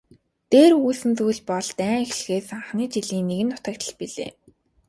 Дээр өгүүлсэн зүйл бол дайн эхэлсэн анхны жилийн нэгэн дуртгал билээ.